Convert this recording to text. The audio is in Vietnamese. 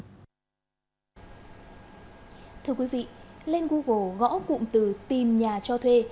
thưa quý vị lên google gõ cụm từ tìm nhà cho thuê